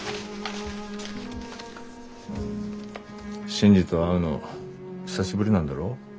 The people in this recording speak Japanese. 新次と会うの久しぶりなんだろ。